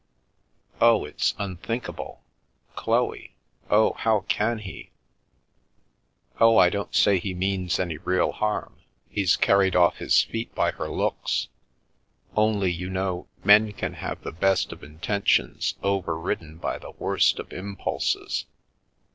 "Oh, it's unthinkable! Chloe! Oh, how caii he?" " Oh, I don't say he means any real harm. He's carried off his feet by her looks. Only, you know, men can have the best of intentions over ridden by the worst of impulses.